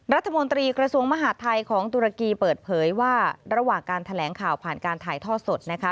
รัฐมนตรีกระทรวงมหาดไทยของตุรกีเปิดเผยว่าระหว่างการแถลงข่าวผ่านการถ่ายทอดสดนะคะ